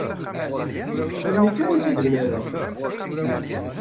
Melmi kan i k-id-mlaleɣ.